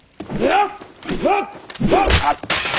あっ！